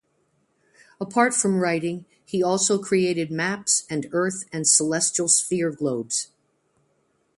Apart from writing he also created maps and earth and celestial sphere globes.